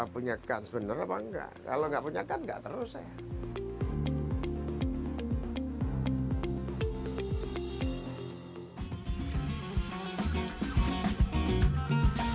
punya kar sebenar atau tidak